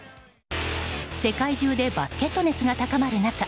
世界中でバスケット熱が高まる中